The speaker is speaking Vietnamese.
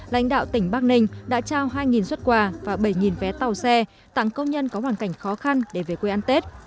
lãnh đạo tỉnh bắc ninh đã trao hai xuất quà và bảy vé tàu xe tặng công nhân có hoàn cảnh khó khăn để về quê ăn tết